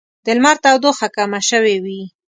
د لمر تودوخه کمه شوې وي